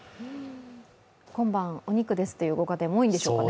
今晩、お肉ですというご家庭も多いんでしょうか。